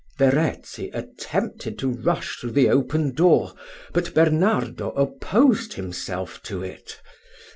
Verezzi attempted to rush through the open door, but Bernardo opposed himself to it.